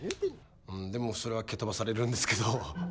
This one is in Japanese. でもそれは蹴飛ばされるんですけど。